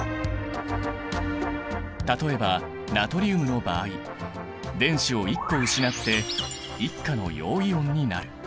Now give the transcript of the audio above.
例えばナトリウムの場合電子を１個失って１価の陽イオンになる。